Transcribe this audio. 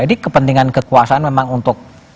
jadi kepentingan kekuasaan memang untuk